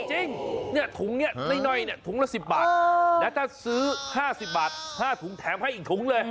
จริงเนี่ยถุงนี้น้อยเนี่ยถุงละ๑๐บาทแล้วถ้าซื้อ๕๐บาท๕ถุงแถมให้อีกถุงเลย